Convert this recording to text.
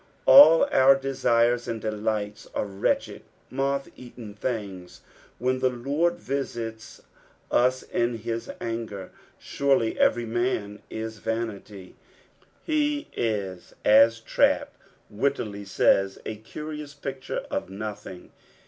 Al) our desires and delights are wretched moth eaten thin^ when the Lord TiaitB US in his anger. '' Surrl;/ ecery wan i» tanily." He is as Trapp wittily aaya " a curious picture of nothing."